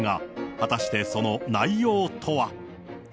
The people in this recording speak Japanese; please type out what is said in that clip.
果たして、その内容とは。